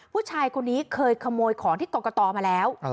ผู้ชายคนนี้เคยขโมยของที่กรกตมาแล้ว